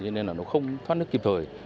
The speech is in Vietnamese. nên nó không thoát nước kịp thời